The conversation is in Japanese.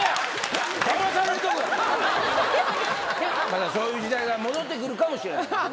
またそういう時代が戻って来るかもしれないですから。